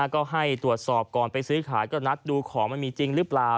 ก็ให้ตรวจสอบก่อนไปซื้อขายก็นัดดูของมันมีจริงหรือเปล่า